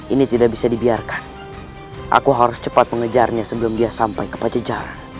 ini tidak bisa dibiarkan aku harus cepat mengejarnya sebelum dia sampai ke pajejara